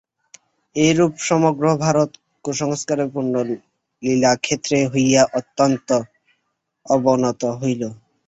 এইরূপে সমগ্র ভারত কুসংস্কারের পূর্ণ লীলাক্ষেত্র হইয়া অত্যন্ত অবনত হইল।